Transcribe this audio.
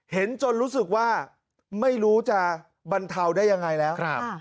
จนรู้สึกว่าไม่รู้จะบรรเทาได้ยังไงแล้ว